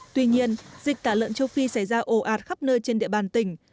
tuy nhiên dịch tả lợn châu phi xảy ra ồ ạt khắp nơi trên địa bàn tỉnh